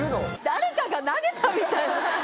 誰かが投げたみたいな。